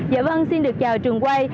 dạ vâng xin được chào trường quay